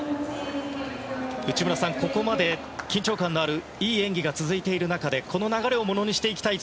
内村さん、ここまで緊張感のあるいい演技が続いている中でこの流れをものにしていきたい